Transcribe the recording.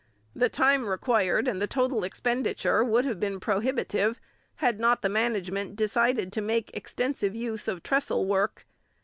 The time required and the total expenditure would have been prohibitive had not the management decided to make extensive use of trestle work.